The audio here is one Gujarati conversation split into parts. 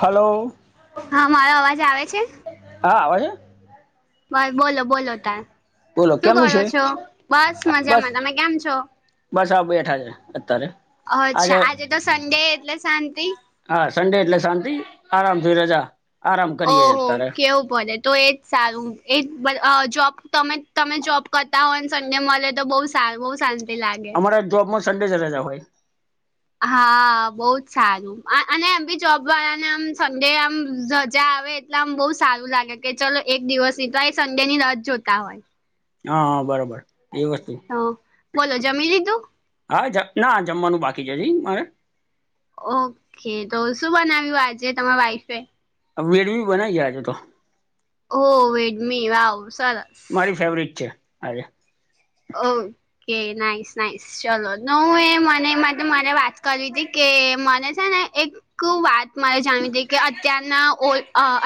હલો હા મારો અવાજ આવે છે હા આવે છે. બસ બોલો બોલો તાર બોલો શું કેમનું કરો છે છો બસ બસ મજામાં તમે કેમ છો. બસ આ બેઠા છે અત્યારે. અચ્છા આજે તો સન્ડે એટલે શાંતિ. હા સંડે એટલે શાંતિ આરામથી રજા. આરામ કરીએ છે ઓહો અત્યારે કેવું પડે. તો એજ સારું એ જોબ તમે તમે જોબ કરતા હોય ને સંડે મળે તો બહુ. ચ બહુ ચ. [inaudible] અમારા જોબમાં સન્ડે જ રજા હોય. હા બહુ જ સારું. અને એમ બી જોબ વાળાને આમ સંડે આમ રજા આવે એટલે આમ બહ સારું લાગે. કે ચલો એક દિવસ ની તો એ સંડે ની રાહ જોતા હોય. હા બરોબર એ વસ્ત. હ બોલો જમી લીધું. હા જ ના જમવાનું બાકી છે હજી મારે. ઓકે તો શું બનાવ્યું આજે તમારા વાઈફે. મેડવી બનાઈ ગયા આજે તો. હો વેડમી વાવ સરસ. મારી ફેવરિટ છે આજે. ઓ કે નાઈસ નાઈસ. ચલો તો હું એ મને એ માટે મારે વાત કરવી હતી કે મને છે ને એક. એક વાત મારે જાણવી હતીઈ કે અત્યારના ઓ.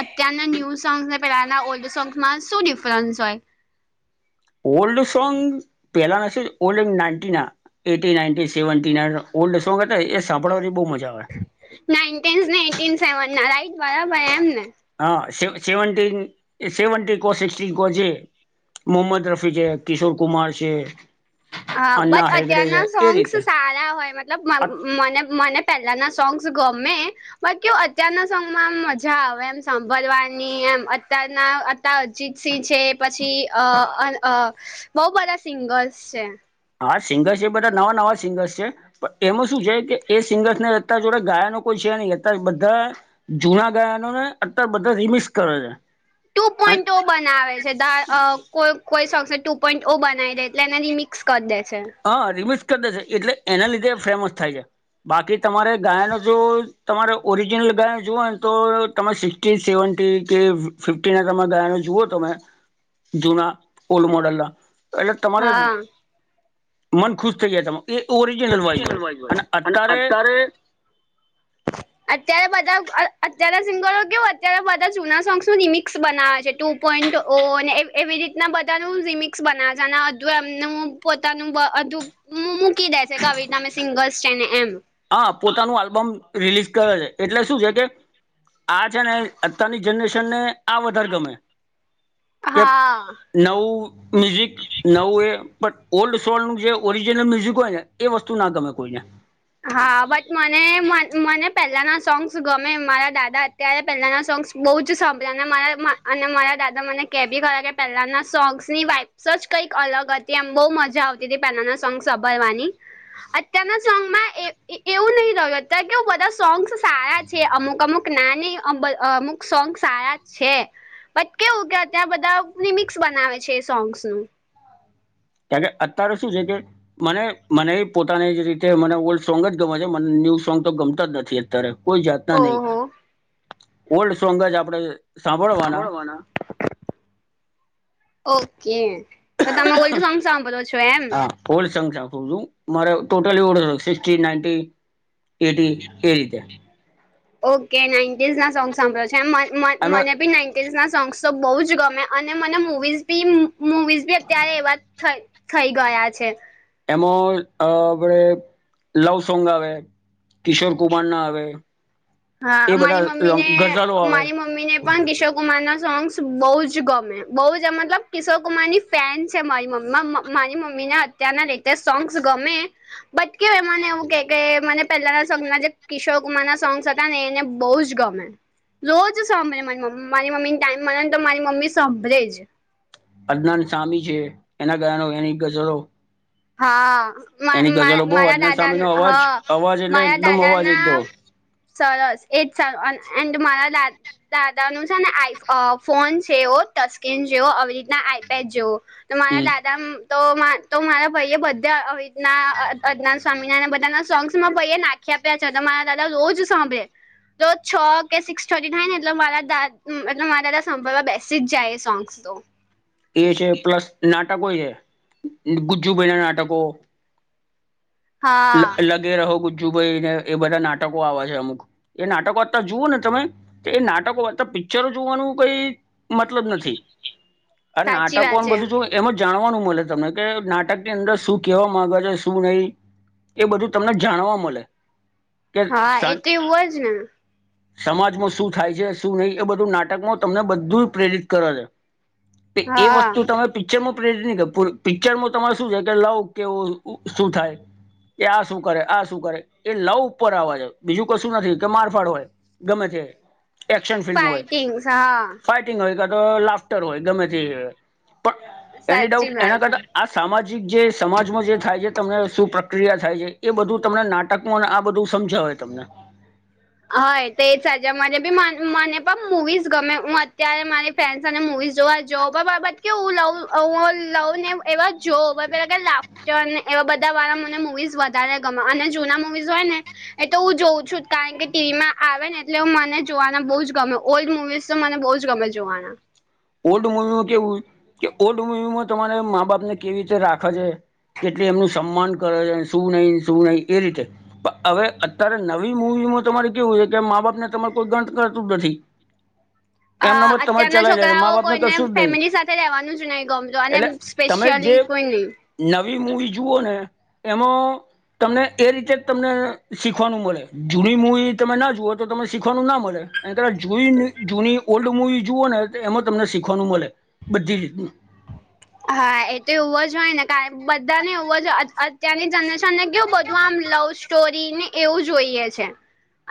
અત્યારના ન્યૂ સોંગ્સ અને પહેલાંના ઓલ્ડ સોંગ્સમાં શું ડિફરન્સ હોય. ઓલ્ડ સોગ પહેલાના છે ઓલ્ડ નાઇટિન ના. એટી નાઇનટી સેવન થી ઓલ્ડ સોંગ હતા એ સાંભળવાથી બહુ મજા આવે. ના સેવન ના રાઈટ બરાબર એમ ને. હા સ સેવન્ટન સેવન્ટી કો સિક્ટીન કો છે. મોહમદ રફી છે કિશોર કુમાર છે. હા અન્ના બટ હેગડે અત્યારના છે એ સોંગ્સ રીતે સારા હોય મતલબ આ મને મને. પહેલાના સોંગ્સ ગમે. બાકી અત્યારના સોંગમાંમ મજા આવે એમ સાંભળવાની એમ અત્યારના. અજીત સિંહ છે પછી અ બહુ બધા સિંગર્સ છે. હા સિંગર્સ છે એ બધા નવા નવા સિંગર્સ છે. પણ એમાં શું છે કે એ સિંગર્સ ને અ જોડે ગાયા ન કોઈ છે નહી અ બધા જૂના ગાયનો ને અત્યારે બધા રિમિસ કરે છે. ટુ અને પોઈન્ટ બંને ના આવે છે કો કોઈ શસે ટુ પોઈન્ટ ઓ બનાવી દે એટલે એનાથી મિક્સ કરી દે છે. હા રિમિકસ કરી દેશે એટલે એના લીધે ફેમસ થાય છે. બાકી તમારે ગાય ન જો તમારે ઓરિજિનલ ગાય જુઓ ને તો તમે શીખ સેવી કે ફિફ્ટી ના તમે ગયાનો જુઓ તમે જૂના ઓલ્ડ મોડેલ ના એટલે તમારે હા મન ખુશ થઈ જાય તમા એ ઓરિજિનલ વાઇઝ હોય અને અત્યારે [inaudible] અત્યારે બધા અત્યાર સિંગરો કેવ અત્યારે બધા જૂના સોંગસ નું રિમિક્સ બનાવે છે તું પોઈન્ટ ઓ એવી રીતના બધાનું રિમિક્સ બના છે અને અધું એમનું પોતાનુંધું હ મૂકી દેસે કવિ તમે સિંગલ્સ છે ને એમ હા પોતાનું આલ્બમ રિલીઝ કરે છે એટલે શું છે કે આ છે ને અત્યારની જનરેશનને આ વધારે ગમે કે હા નવ મ્યુઝિક નવું એ પણ ઓલ્ડ સોંગ નું જે ઓરિજિનલ મ્યુઝિક હોય ને એ વસ્તુ ના ગમે કોઈને. હા બટ મને મને પહેલાના સોંગ્સ ગમે મારા દાદા અત્યારે પેલાના સોંગ્સ બહુ જ સાંભળ્યા અને મારા અને મારા દાદા મને કેહે બી ખ કે પહેલાના સોંગ્સની વાઇપ્સ જ કંઈક અલગ જ તમ બહુ મજા આવતી હતી પહેલાના સોંગ સંભળવાની અત્યારના સોંગમાં એવું નહિ લત કે બધા સોંગ્સ સારા છે અમુક અમુક નાની અમુક સોંગ આયા છે. બટ કેવું કે અત્યાં બધા લિમિક્સ બનાવે છે એ સોંગ્સ નું તકે અત્યારે શું છે કે મને મને એ પોતાની રીતે મને ઓલ્ડ સોંગ જ ગમે છે મને ન્યૂ સોંગ તો ગમતા જ નથી અત્યારે કોઈ જાતના નહી ઓહો ઓલ્ડ સોંગ જ આપણે સાંભળવાના ઓકે તો તમે ઓલ્ડ સોંગ સાંભો છો એમ હા મારે ટોટલવ ના એટી એ રીતે ઓકે નાઇન્ટીઝ ના સોંગ સાંભળ્યો છે એમાં મને બી ના ના સોંગ્સ તો બહુ જ ગમે અને મને મવીઝ બી મુવીઝ બી અત્યારે એવા થઈ. થઈ ગયા છે. એમાં અ આપડે લવ સોંગ આવે કિશોર કુમાર ના આવે હા એ બધા મારી મમ્મી ને ગઝલો આવે મારી મમ્મી ને પણ કિશોર કુમાર ના સોંગ્સ બહુ જ ગમે બહ જ મતલબ કિશોર કુમાર ની ફેન છે મારી મમ્મી મારી મમ્મી ને અત્યારના લીધ સોંગ્સ ગમે બટ કેય મને એવું કે કે મને પેલાના સોંગ ના જે કિશોર કુમાર ના સોંગ ને એને બહુ જ ગમે રોજ સાભળે મારીમ્મ મારી મમ્મી ટાઈમ મળ ને તો મારી મમ્મી સાંભળે જ અજ્ઞાન સામી છે એના ગયાનો એની ગજરો હા. માર-માર ગઝલો બહુ મારા અદનાન દાદા ન સામીનો હ અવાજ અવાજ એટલે મારા એકદમ અવાજ દાદાના એકદમ સરસ એજ સારું અન એન્ડ મારા દા દાદા નું છે ને આઈ અ ફોન છે એવો ટચસ્કીન જેવો આવી રીતના આઈપેડ જેવો તમારા હમ દાદા મ તો મા-મારા ભઈ એ બધા આવીતના અ અદનાન સ્વામિના ન બધાના સોંગ્સ માર ભઈ એ નાખ્યા યા છે તો મારા દાદા રોજ સાંભળે. રોજ છ કે સિક્સ થર્ટી થાયને એટલે મારા દાદ એટલે મારા દાદા સાંભળવા બેસી જ જાય એ સોંગ્સ તો. એ છે પ્લસ નાટકોય છે, ગુજ્જુભઈના નાટકો. હા લગ-લગે રહો ગુજ્જુભાઈને એ બધા નાટકો આવે છે, અમુક. એ નાટકો અતાર જુઓ ને તમે કે એ નાટકો કરતા પિક્ચરો જોવાનું કઈ મતલબ નથી. [inaudible] અન નાટકો વાત ન છે બધું જોએ એમા જાણવાનું મલે તમે કે નાટકની અંદર શું કહેવા માગે છે શું નહીં? એ બધું તમને જાણવા મળે કે હા સન એ તો એવું જ ને સમાજમાં શું થાય છે, શું નહી એ બધું નાટકમાં તમને બધું જ પ્રેરિત કરે છ. એ એ હા વસ્તુ તમે પિક્ચરમાં પ્રેરિત નઈ થાય પર પિક્ચરમાં તમારે શું છે કે લવ કેવુ શું થાય? કે આ શું કરે, આ શું કરે એ લવ ઉપર આવ છ બીજું કશું નથી કે મારફાડ હોય. ગમે તે એક્શન ફિલ્મોય, ફાઈટિંગ્સ હા ફાઇટ ટીંગ હોય કા તો લાફ્ટર હોય ગમે થી પણ એની સાચી ડાઉટ એના વાત છે કરતા આ સામાજિક જે સમાજમાં જે થાય છે તમને શું પ્ર ક્રિયા થાય છે, એ બધું તમને નાટકમોન અન આ બધું સમજાવે તમને. હન, એ તે સાચા મને બી મન-મને પણ મુવીસ ગમે, હુ અત્યારે મારે ફેન સાથે મુવીઝ જોવા જઉ પણ બ-બટ કેવું લવ અવ લવને એવા જોવા છે કે લાફ સ્ટરને એવા બધા વાળા મને મુવીઝ વધારે ગમ અને જૂના મુવીઝ હોયને એ તો હું જોઉ છું જ કારણ કે ટીવીમાં આવે ને એટલે મને જોવાના બોઉ જ ગમે, ઓલ્ડ મુવીઝ તો મને બોઉ જ ગમે જોવાના. ઓલ્ડ મૂવીમાં કેવું કે, ઓલ્ડ મૂવીમાં તમારે મા-બાપને કેવી રીતે રાખે છે કેટલે એમનું સન્માન કરે છે, શું નઈ, શું નઈ, એ રીતે. પ અવે અત્યારે નવી મુવીમાં તમારે કેવું છે કે, મા-બાપને તમારે કોઈ ગણ કરતું જ નથી. અ એમના મત તમારે અત્યારના ચલાવી લે છે મા છોકરાઓ બાપને કોઈને કશું જ નહીં ફેમિલી સાથે રહેેવાનું જ નઈ ગમતુ અને એટલે તમે જે સ્પેશિયલી કોઈ ની. નવી મૂવી જુઓને એમો તમને એ રીતે જ તમને શીખવાનું મળે, જૂડી મૂવી તમે ના જુઓ, તો તમે શીખવાનું ના મળે. એન કરતા જૂઈને જૂની ઓલ્ડ મુવી જુઓને તે એમાં તમને શીખવાનું મલે બધી રીતનું. [inaudible] હા, એ તો એવો જ હોય ને કાર બધા ને એવું જ અત-અત્યારની જનરેશન ને કેવુ બધું આમ લવ સ્ટોરીને એવું જોઈએ છે.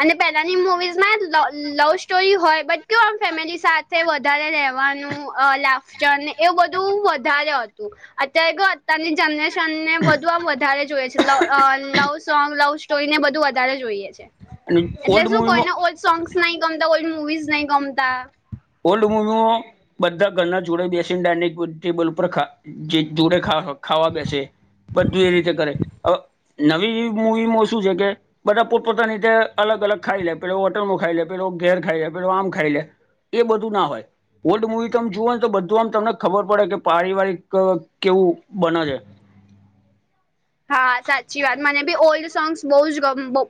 અને પેલાની મુવીઝમાં લ-લવ સ્ટોરી હોય બટ કેવું આમ ફેમિલી સા સે વધારે રહેવાનું અ લાફસ્ટરને એવું બધું વધારે હતું, અત્યારે કેવું અત્યારની જનરે સનને બધું આમ વધારે જોઈએ છે, લવ અ લવ સોંગ, લવ સ્ટોરીને બધું વધારે જોઈએ છે. અને એટલે ઓલ્ડ શું મૂવીમાં કોઈને ઓલ્ડ સોંગસ નઈ ગમતા, કોઈન મુવીઝ નઈ ગમતા. ઓલ્ડ મૂવીમો બધા ઘરના જોડે બેસીન ડાઈનિક ટેબલ ઉપર ખા જે જોડે ખાવ-ખાવા બેસે. બધું એ રીતે કરે. અવ નવી મૂવીમાં શું છે કે બધા પોત-પોતાન રીતે અલગ-અલગ ખાઈ લે, પેલો હોટલમો ખાઈ લે, પેલો ઘેર ખાઈ લે, પેલો આમ ખાઈ લે. એ બધું ના હોય. ઓલ્ડ મુવી તમે જુઓ ને તો બધું આમ તમને ખબર પડે કે પારિવારિક અ કેવું બને છે. હા સાચી વાત મને બી ઓલ્ડ સોંગ્સ બહુ જ બહુ.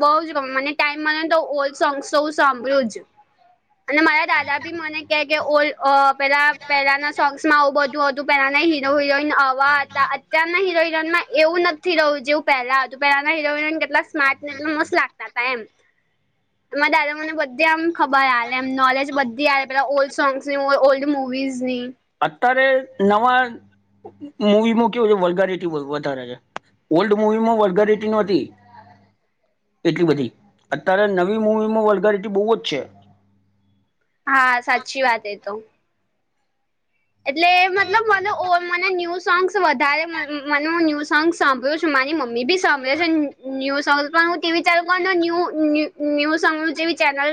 બઉ જ ગમ મને ટાઈમ મલે ન તો ઓલ્ડ સોંગસ તો હુ સાંભળુ જ. અને મારા દાદા ભી મને કે કે, ઓલ્ડ અ પેલા પેલાના સોંગ્સમાં આવ બધું હતું, પેલાના હિ લો હિરોઈન આવા હતા, અત્યારના હિરોઈન હિરોઈનમાં એવું નથી રહ્યું જેવું પહેલા હતું, પહેલાના હીરો-હિરોઈન કેટલા સ્માર્ટને બી મસ્ત લાગતા તા એમ. આમા દાદા મને બધે આમ. ખબર આલે એમ નોલેજ બધી આવે પેલા ઓલ્ડ સોંગ્સ ની ઓલ્ડ મુવીઝ ની. અત્યારે નવા મુવીમાં કેવું છે વલગારીટી વધારે છે. ઓલ્ડ મુવીમાં વલગારીટી નો તી. એટલી બધી અત્યારે નવી મૂવીમાં વલ્ગારિટી બહુ જ છે. હા સાચી વાત એ તો. એટલે મતલબ મને મને ન્યૂ સોંગ્સ વધારે મને ન્યૂ સોંગ્સ. સાંભળ્યું છું મારી મમ્મી બી સાંભળે છે ન્યૂ સોંગ્સ પણ હુ તે વિચારું ન્યુ ન્યુ. ન્યુઝ જેવી ચેનલ.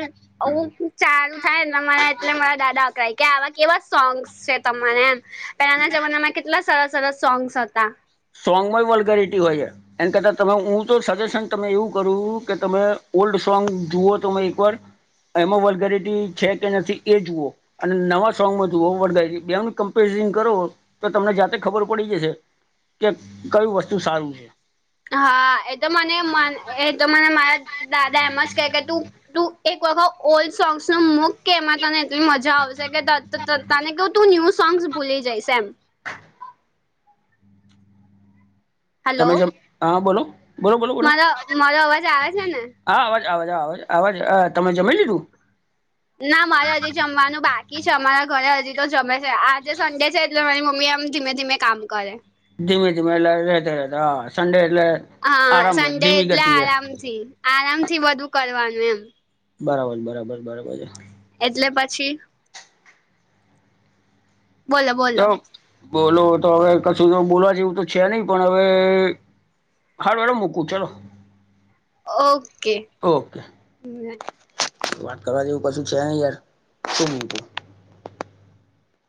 હું ચાલુ થાય ને મને એટલે મારા દાદા અકડાય કે આવા કેવા સોંગસ છે. તમારે એમ પેલાના જમાનામાં કેટલા સરસ સરસ સોંગ્સ હતા. સોંગમાં વલ્ગારીટી હોય છે. એમ કરતા તમને હું તો સજેશન તમને એવું કરું કે તમે ઓલ્ડ સોંગ જુઓ તો એક વાર. એમાં વલ્ગારીટી છે કે નથી એ જુઓ. અને નવા સોંગમાં જોવ વલ્ગારીટી બેનું કમ્પેરિઝન કરો તો તમને જાતે ખબર પડી જશે. કે કયું વસ્તુ સારું છે. હા એતો મને એ તો મને મારા દાદા એમ જ કે કે તું. તું એક વખત ઓલ્ડ સોંગ્સ ને મૂક કે એમાં તને એટલી મજા આવશે કે. તે તને કેવ તું ન્યૂ સોંગસ ભૂલી જ‌ઇશ એમ. તમે હલો કેમ હા બોલો બોલો બોલો બોલો. મારો મારો અવાજ આવે છે ને આ અવાજ અવાજ અવાજ અવાજ તમે જમી લીધું? ના મારે હજી જમવાનું બાકી છે અમારા ઘરે હજી તો જમે છે આજે સન્ડે છે એટલે મારી મમ્મી આમ ધીમે ધીમે. કામ કરે. ધીમે ધીમે એટલે રહેતે રહેતે હા સન્ડે એટલે આરામ ધીમી ગતિએ. જી આરામ થી બધુ કરવાનું એમ. બરાબર બરાબર બરાબર છે. એટલે પછી. બોલો છે બોલો. તો બોલો તો હવે કશું તો બોલવા જેવું તો છે નહી પણ હવે. હારૂ હાલો મૂકુ ચલો. ઓકે. ઓકે. હમ [inaudible] વાત કરવા જેવું કશું છે ને યાર શું બોલુ.